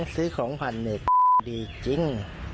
ซื้อของผ่านเนี่ยดีจริง